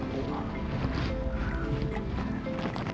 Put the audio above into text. waalaikumsalam warahmatullahi wabarakatuh